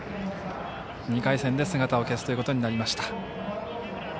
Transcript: ２回戦で姿を消すということになりました。